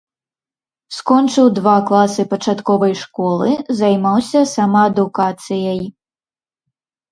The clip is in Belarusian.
Скончыў два класы пачатковай школы, займаўся самаадукацыяй.